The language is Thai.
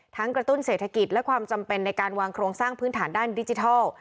กระตุ้นเศรษฐกิจและความจำเป็นในการวางโครงสร้างพื้นฐานด้านดิจิทัล